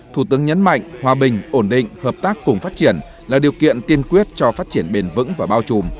thủ tướng nhấn mạnh hòa bình ổn định hợp tác cùng phát triển là điều kiện tiên quyết cho phát triển bền vững và bao trùm